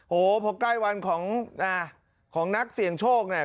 โหพอใกล้วันของนักเสี่ยงโชคเนี่ย